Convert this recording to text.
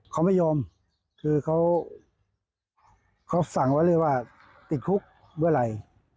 เขาไม่ยอมคือเขาสั่งไว้เลยว่าติดคุกเวลา